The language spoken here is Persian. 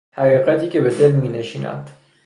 حقیقتی که به دل مینشیند